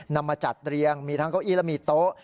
นำมาจัดเรียงมีทั้งเก้าอี้และมีโต๊ะ